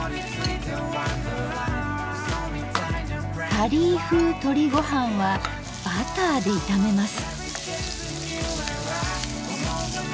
パリーふうとりごはんはバターで炒めます。